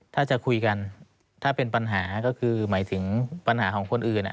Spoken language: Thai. ถ้าจะคุยกันถ้าเป็นปัญหาก็คือหมายถึงปัญหาของคนอื่น